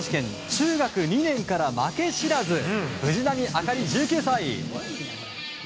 中学２年から負け知らず藤波朱理、１９歳。